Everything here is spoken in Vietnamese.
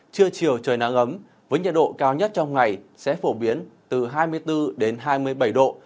trưa chiều trời nắng ấm với nhiệt độ cao nhất trong ngày sẽ phổ biến từ hai mươi bốn đến hai mươi bảy độ